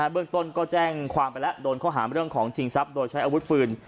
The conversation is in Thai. เบื้องต้นก็แจ้งความไปแล้วโดนข้อหามเรื่องของชิงทรัพย์โดยใช้อาวุธปืน